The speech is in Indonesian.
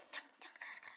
shhh jangan jangan